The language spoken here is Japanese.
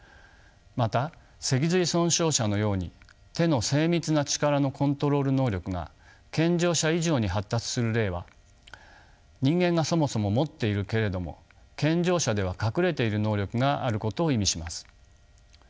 また脊髄損傷者のように手の精密な力のコントロール能力が健常者以上に発達する例は人間がそもそも持っているけれども健常者では隠れている能力があることを意味します。